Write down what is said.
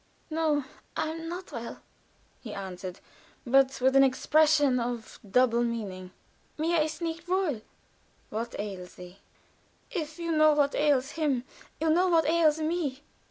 "No, I am not well," he answered; but with an expression of double meaning. "Mir ist's nicht wohl." "What ails thee?" "If you know what ails him, you know what ails me."